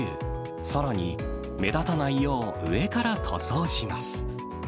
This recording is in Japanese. さらに、目立たないよう上から塗装します。